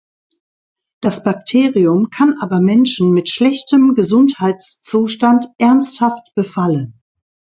Das Bakterium kann aber Menschen mit schlechtem Gesundheitszustand ernsthaft befallen.